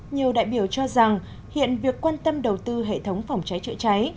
nhiều đại biểu cho rằng hiện việc quan tâm đầu tư hệ thống phòng cháy chữa cháy